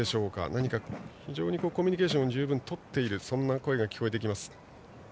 何か、非常にコミュニケーション十分とっているそんな声が聞こえてきます。